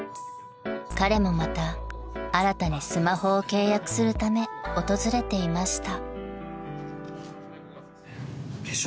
［彼もまた新たにスマホを契約するため訪れていました］